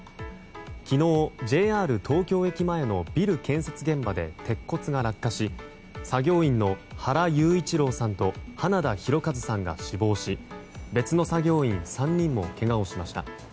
昨日、ＪＲ東京駅前のビル建設現場で鉄骨が落下し作業員の原裕一郎さんと花田大和さんが死亡し別の作業員３人もけがをしました。